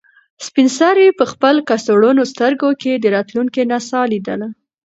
سپین سرې په خپل کڅوړنو سترګو کې د راتلونکي نڅا لیده.